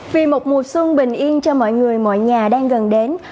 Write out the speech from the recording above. vì một mùa xuân bình yên cho mọi người mọi nhà đang gần đến